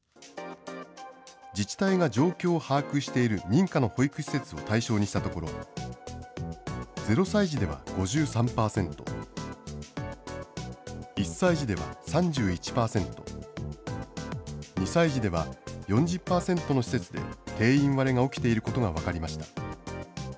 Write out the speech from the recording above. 自治体が状況を把握している認可の保育施設を対象にしたところ、０歳児では５３％、１歳児では３１％、２歳児では４０％の施設で定員割れが起きていることが分かりました。